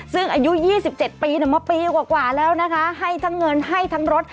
ซึ่งอายุยี่สิบเจ็ดปีหนุ่มมาปีกว่ากว่าแล้วนะคะให้ทั้งเงินให้ทั้งรถ